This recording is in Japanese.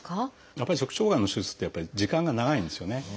やっぱり直腸がんの手術って時間が長いんですよね。